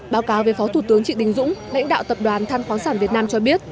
báo cáo về phó thủ tướng trịnh đình dũng lãnh đạo tập đoàn than khoáng sản việt nam cho biết